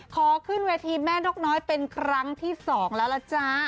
ขอขึ้นเวทีแม่นกน้อยเป็นครั้งที่๒แล้วล่ะจ๊ะ